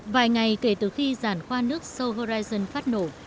vài ngày kể từ khi giàn khoa nước soul horizon phát nổ